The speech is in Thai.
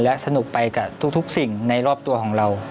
และสนุกไปกับทุกสิ่งในรอบตัวของเรา